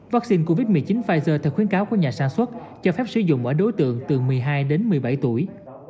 vaccine covid một mươi chín pfizer theo khuyến cáo của nhà sản xuất cho phép sử dụng ở đối tượng từ một mươi hai đến một mươi bảy tuổi